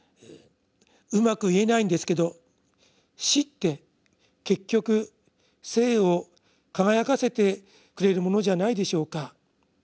「うまく言えないんですけど『死』って結局『生』を輝かせてくれるものじゃないでしょうか。